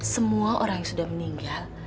semua orang yang sudah meninggal